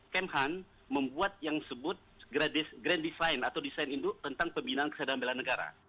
kemhan membuat yang disebut grand design atau desain induk tentang pembinaan kesadaran bela negara